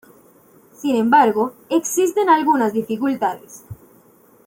Sin embargo, existen algunas dificultades.